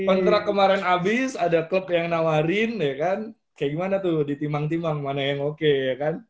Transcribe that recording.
kontrak kemarin habis ada klub yang nawarin ya kan kayak gimana tuh ditimang timang mana yang oke ya kan